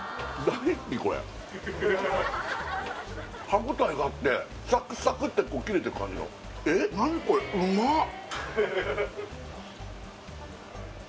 歯応えがあってサクサクってこう切れてく感じのえっ何これうまっ！